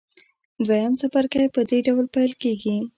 دویم څپرکی په دې ډول پیل کیږي.